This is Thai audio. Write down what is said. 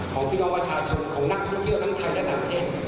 ของพี่น้องประชาชนของนักท่องเที่ยวทั้งไทยและต่างประเทศ